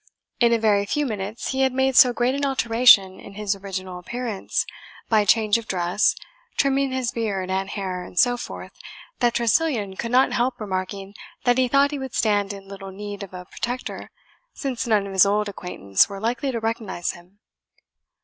In a very few minutes he had made so great an alteration in his original appearance, by change of dress, trimming his beard and hair, and so forth, that Tressilian could not help remarking that he thought he would stand in little need of a protector, since none of his old acquaintance were likely to recognize him.